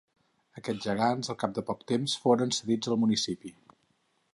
Aquests gegants al cap de poc temps, foren cedits al municipi.